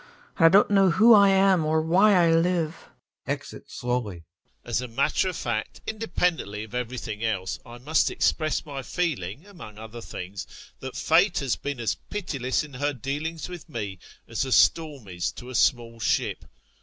and I don't know who I am or why I live. [Exit slowly.] EPIKHODOV. As a matter of fact, independently of everything else, I must express my feeling, among other things, that fate has been as pitiless in her dealings with me as a storm is to a small ship.